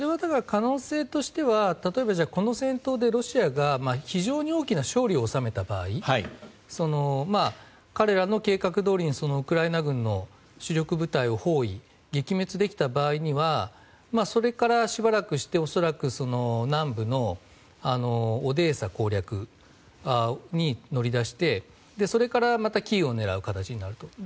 可能性としてはこの戦闘でロシアが非常に大きな勝利を収めた場合彼らの計画どおりにウクライナ軍の主力部隊を包囲・撃滅できた場合にはそれからしばらくして恐らく、南部のオデーサ攻略に乗り出してそれからキーウを狙う形になると。